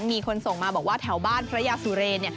มีคนส่งมาบอกว่าแถวบ้านพระยาสุเรน